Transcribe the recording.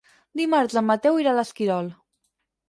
Dimarts en Mateu irà a l'Esquirol.